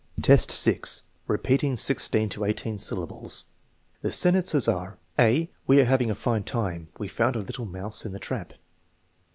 6. Repeating sixteen to eighteen syllables The sentences are: (a) "We are having a fine time. We found a little mouse in the trap."